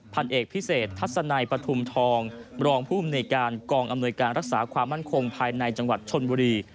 พันเอกพิเศษทัศนัยปฐุมทองรองภูมิในการกองอำนวยการรักษาความมั่นคงภายในจังหวัดชนบุรี